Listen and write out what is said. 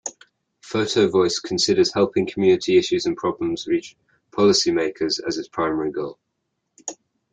Photovoice considers helping community issues and problems reach policy makers as its primary goal.